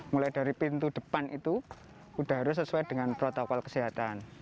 mulai dari pintu depan itu sudah harus sesuai dengan protokol kesehatan